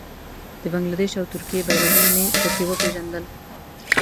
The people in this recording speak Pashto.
د بنګله دېش او ترکیې بېرغونه مې په کې وپېژندل.